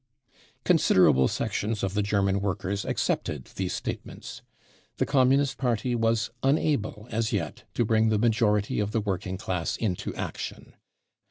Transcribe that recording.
* Considerable sections of the German workers accepted these statements. Th& Communist Party was unable as yet to bring the majority of the working class into action.